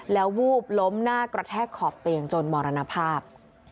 แล้ววูบล้มหน้ากระแทกขอบเตียงจนมรณภาพ